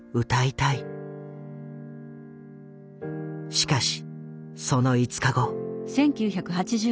しかしその５日後。